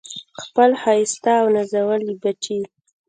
خپل ښایسته او نازولي بچي